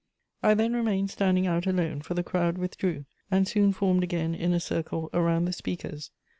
I then remained standing out alone, for the crowd withdrew, and soon formed again in a circle around the speakers.